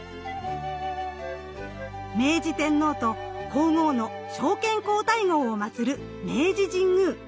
明治天皇と皇后の昭憲皇太后をまつる明治神宮。